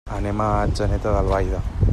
Anem a Atzeneta d'Albaida.